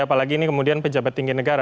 apalagi ini kemudian pejabat tinggi negara